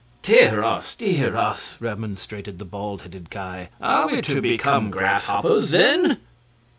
"Dear us! Dear us!" remonstrated the bald headed Ki; "are we to become grasshoppers, then?"